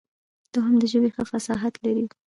دوهم د ژبې ښه فصاحت لري.